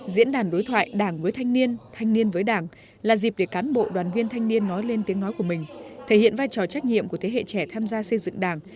diễn đàn đối thoại đảng với thanh niên thanh niên với đảng là dịp để cán bộ đoàn viên thanh niên nói lên tiếng nói của mình thể hiện vai trò trách nhiệm của thế hệ trẻ tham gia xây dựng đảng